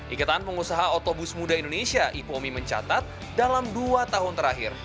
ikatan pengusaha otobus muda indonesia ipomi mencatat dalam dua tahun terakhir